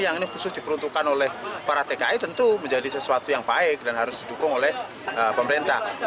yang ini khusus diperuntukkan oleh para tki tentu menjadi sesuatu yang baik dan harus didukung oleh pemerintah